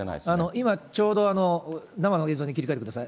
今、ちょうど生の映像に切り替えてください。